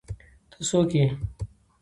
ته څوک ئې؟